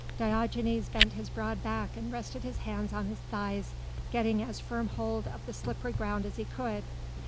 Diogenes bent his broad back and rested his hands on his thighs, getting as firm hold of the slippery ground as he could.